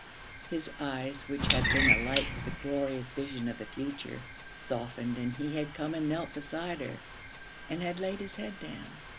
his eyes, which had been alight with the glorious vision of the future, softened, and he had come and knelt beside her and had laid his head down.